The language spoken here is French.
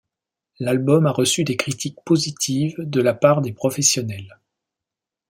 L'album a reçu des critiques positives de la part des professionnels.